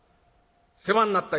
世話になった。